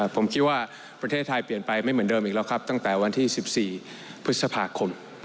ผมคิดว่าประเทศไทยเปลี่ยนไปไม่เหมือนเดิมอีกแล้วครับตั้งแต่วันที่๑๔พฤษภาคม